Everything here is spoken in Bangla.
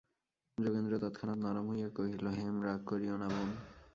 যোগেন্দ্র তৎক্ষণাৎ নরম হইয়া কহিল, হেম, রাগ করিয়ো না বোন।